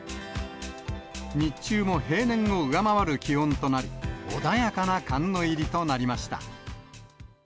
日中も平年を上回る気温となり、穏やかな寒の入りとなりました。